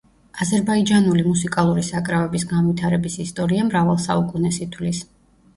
აზერბაიჯანული მუსიკალური საკრავების განვითარების ისტორია მრავალ საუკუნეს ითვლის.